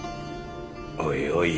おいおいや。